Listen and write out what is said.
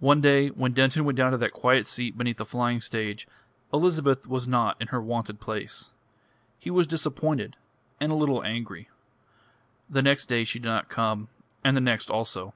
One day, when Denton went down to that quiet seat beneath the flying stage, Elizabeth was not in her wonted place. He was disappointed, and a little angry. The next day she did not come, and the next also.